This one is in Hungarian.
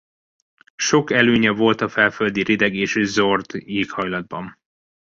Sok előnye volt a felföldi rideg és zord éghajlatban.